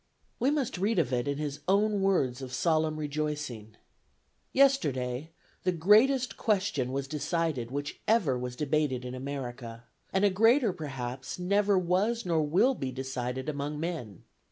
We must read of it in his own words of solemn rejoicing: "Yesterday, the greatest question was decided which ever was debated in America, and a greater, perhaps, never was nor will be decided among men.